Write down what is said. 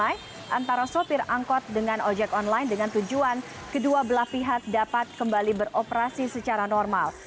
antara sopir angkot dengan ojek online dengan tujuan kedua belah pihak dapat kembali beroperasi secara normal